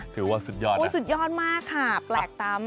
ถือว่าสุดยอดมากสุดยอดมากค่ะแปลกตามาก